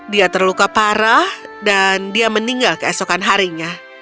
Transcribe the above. dia terluka parah dan dia meninggal keesokan harinya